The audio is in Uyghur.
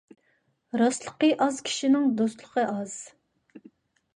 راستلىقى ئاز كىشىنىڭ دوستلۇقى ئاز.